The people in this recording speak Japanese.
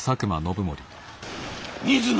水野！